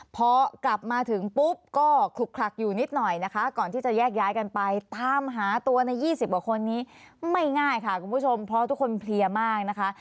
พอกลับมาถึงปุ๊บก็คลุกคลักอยู่นิดหน่อยนะคะก่อนที่จะแยกย้ายกันไปตามหาตัวใน๒๐กว่าคนนี้ไม่ง่ายค่ะคุณผู้ชมเพราะทุกคนเพลียมากนะคะ